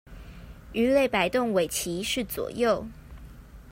魚類擺動尾鰭是左右